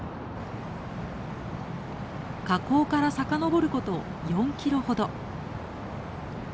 河口から遡ること４キロほど。